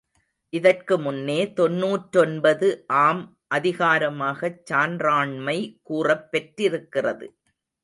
இதற்கு முன்னே தொன்னூற்றொன்பது ஆம் அதிகாரமாகச் சான்றாண்மை கூறப் பெற்றிருக்கிறது.